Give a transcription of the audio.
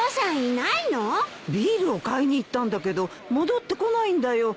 ビールを買いに行ったんだけど戻ってこないんだよ。